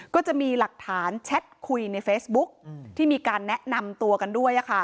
ก็จะมีหลักฐานแชทคุยในเฟซบุ๊กที่มีการแนะนำตัวกันด้วย